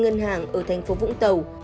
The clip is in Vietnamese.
ngân hàng ở thành phố vũng tàu